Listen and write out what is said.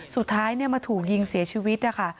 สุดท้ายมาถูกยิงเสียชีวิตนะคะ